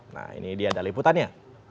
nah ini dia daliputannya